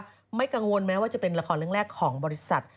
มันไม่กังวลแม้ว่าจะเป็นละครแรกของบริษัท